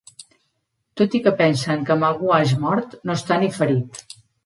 Tot i que pensen que Magua és mort, no està ni ferit.